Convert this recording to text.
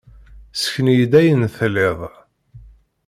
Ssken-iyi-d ayen tlid.